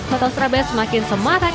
kota strabe semakin semangat